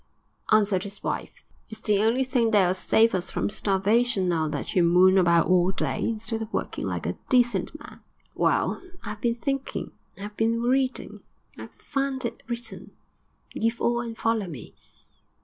answered his wife. 'It's the only thing that'll save us from starvation now that you moon about all day, instead of working like a decent man.' 'Well, I 'ave been thinking, and I 'ave been reading; and I 'ave found it written Give all and follow me.'